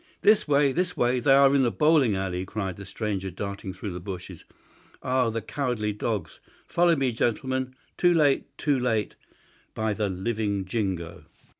"This way! This way! They are in the bowling alley," cried the stranger, darting through the bushes. "Ah, the cowardly dogs! Follow me, gentlemen! Too late! too late! by the living Jingo!"